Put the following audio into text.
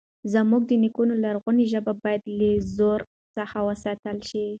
زموږ د نیکونو لرغونې ژبه باید له زوال څخه وساتل شي.